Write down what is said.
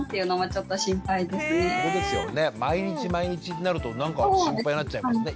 毎日毎日になるとなんか心配になっちゃいますよね。